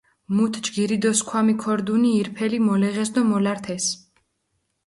მუთ ჯგირი დო სქვამი ქორდუნი ირფელი მოლეღეს დო მოლართეს.